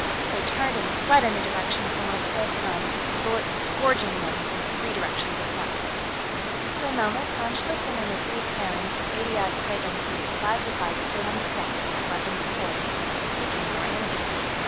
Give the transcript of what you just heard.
They turned and fled in the direction from whence they had come, bullets scourging them from three directions at once. For a moment, von Schlichten and the three Terrans and eighty odd Kragans who had survived the fight stood on the steps, weapons poised, seeking more enemies.